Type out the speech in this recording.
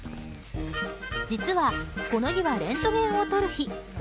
実は、この日はレントゲンを撮る日。